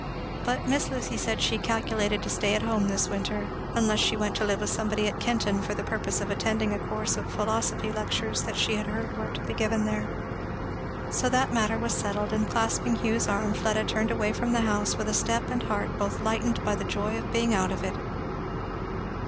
But Miss Lucy said she "calculated to stay at home this winter," unless she went to live with somebody at Kenton for the purpose of attending a course of philosophy lectures that she heard were to be given there. So that matter was settled; and clasping Hugh's arm Fleda turned away from the house with a step and heart both lightened by the joy of being out of it.